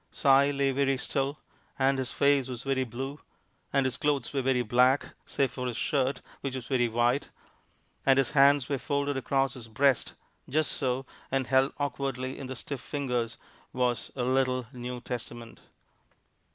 Si lay very still, and his face was very blue, and his clothes were very black, save for his shirt, which was very white, and his hands were folded across his breast, just so, and held awkwardly in the stiff fingers was a little New Testament.